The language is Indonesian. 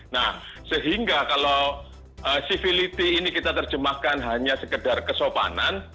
nah sehingga kalau civility ini kita terjemahkan hanya sekedar kesopanan